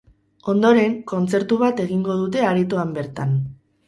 Ondoren, kontzertu bat egingo dute aretoan bertan.